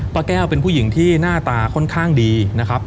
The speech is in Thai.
ป้าแก้วเป็นผู้หญิงที่หน้าตาค่อนข้างดีนะครับ